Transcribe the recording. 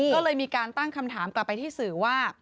ก็เลยมีการตั้งคำถามกลับไปที่สื่อว่า